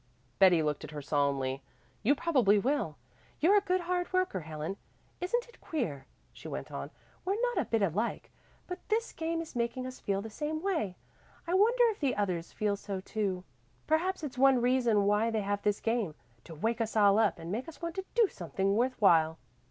Betty looked at her solemnly. "You probably will. You're a good hard worker, Helen. Isn't it queer," she went on, "we're not a bit alike, but this game is making us feel the same way. I wonder if the others feel so too. Perhaps it's one reason why they have this game to wake us all up and make us want to do something worth while."